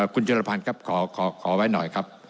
คุณจุลพันธ์ครับขอไว้หน่อยครับ